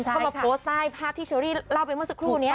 เข้ามาโพสต์ใต้ภาพที่เชอรี่เล่าไปเมื่อสักครู่นี้